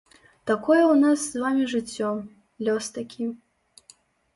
Такое ў нас з вамі жыццё, лёс такі.